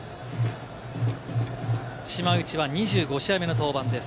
島内は２５試合目の登板です。